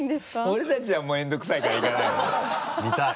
俺たちは面倒くさいから行かない見たい。